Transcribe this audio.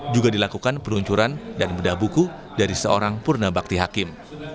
juga dilakukan peluncuran dan bedah buku dari seorang purna bakti hakim